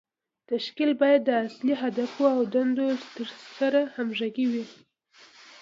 تشکیل باید د اصلي اهدافو او دندو سره همغږی وي.